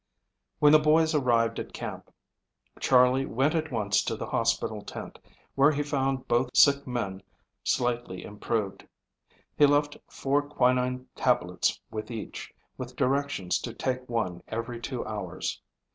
When the boys arrived at camp, Charley went at once to the hospital tent, where he found both sick men slightly improved. He left four quinine tablets with each, with directions to take one every two hours.